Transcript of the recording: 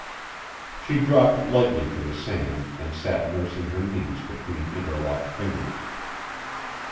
She dropped lightly to the sand and sat nursing her knees between interlocked fingers.